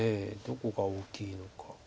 どこが大きいのか。